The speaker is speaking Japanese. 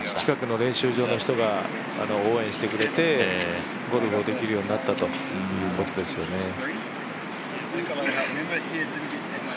近くの練習場の人が応援してくれてゴルフをできるようになったということですよね。